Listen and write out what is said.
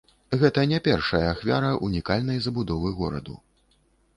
Гэта не першая ахвяра ўнікальнай забудовы гораду.